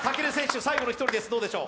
最後の１人です、どうでしょう？